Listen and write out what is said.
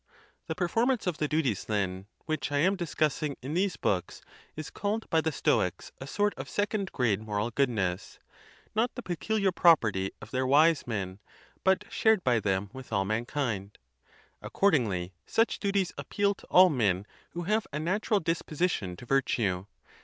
The performance of the duties, then, which I Absoiute good am discussing in these books, is called by the Stoics "e^^^huma^hyr a sort of second grade moralgoodness, notthe peculiar property of theirwise men, butshared bythem withall 1 6 mankind. Accordingly, such duties appeal to all men who have a natural disposition to virtue.